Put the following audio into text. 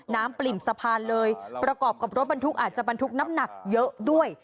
ปริ่มสะพานเลยประกอบกับรถบรรทุกอาจจะบรรทุกน้ำหนักเยอะด้วย